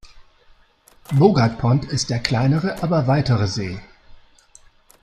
Bogart Pond ist der kleinere, aber weitere See.